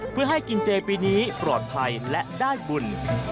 เพื่อให้กินเจปีนี้ปลอดภัยและได้บุญ